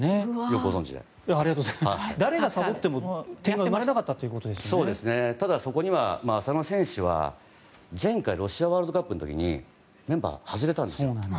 誰がさぼっても点は生まれなかったただ、そこには浅野選手は前回ロシアワールドカップの時にメンバー外れたんですよ。